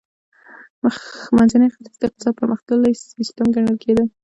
منځنی ختیځ د اقتصاد پرمختللې سیمه ګڼل کېده.